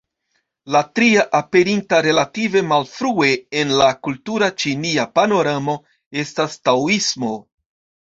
La tria, aperinta relative malfrue en la kultura ĉinia panoramo, estas Taoismo.